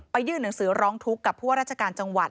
ยื่นหนังสือร้องทุกข์กับผู้ว่าราชการจังหวัด